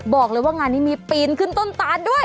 บอกเลยว่างานนี้มีปีนขึ้นต้นตานด้วย